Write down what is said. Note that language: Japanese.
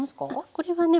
これはね